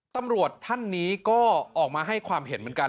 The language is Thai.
ตำรวจท่านนี้ก็ออกมาให้ความเห็นเหมือนกัน